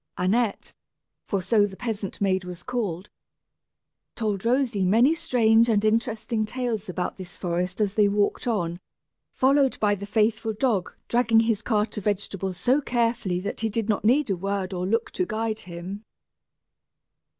Annette, for so the peasant maid was called, told Rosy many strange and interesting tales about this forest as they walked on, followed by the faithful dog dragging his cart of vegetables so carefully that he did not need a word or look to guide him.